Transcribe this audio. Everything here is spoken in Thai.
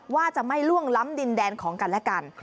ว่าจะไม่ล่วงล้ำดินแดนของกันและกัน